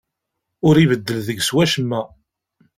Ur ibeddel deg-s wacemma.